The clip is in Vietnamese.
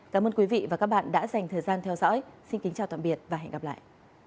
cảm ơn quý vị và các bạn đã dành thời gian theo dõi xin kính chào tạm biệt và hẹn gặp lại